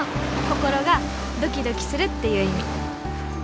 心がドキドキするっていう意味。